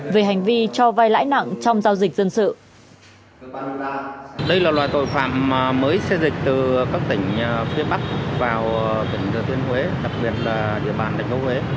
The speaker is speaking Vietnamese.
về hành vi cho vai lãi nặng trong giao dịch dân sự